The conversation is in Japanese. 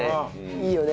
いいよね